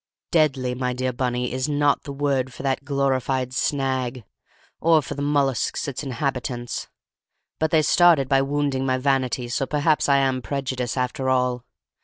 "Deadly, my dear Bunny, is not the word for that glorified snag, or for the mollusks, its inhabitants. But they started by wounding my vanity, so perhaps I am prejudiced, after all.